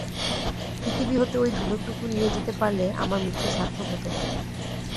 পৃথিবী হতে ঐ ধুলোটুকু নিয়ে যেতে পারলে আমার মৃত্যু সার্থক হত।